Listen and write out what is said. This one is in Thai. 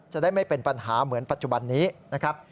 จะได้ไม่เป็นปัญหาเหมือนปัจจุบันนี้นะครับ